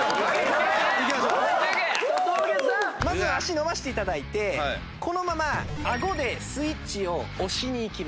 まず足伸ばして頂いてこのままあごでスイッチを押しにいきます。